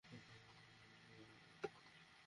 অই ব্রিজটা একটু তুলনামুলক বেশিই নিচু!